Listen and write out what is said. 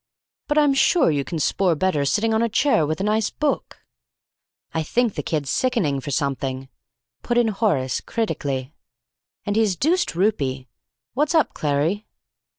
"But I'm sure you can spoor better sitting on a chair with a nice book." "I think the kid's sickening for something," put in Horace critically. "He's deuced roopy. What's up, Clarry?"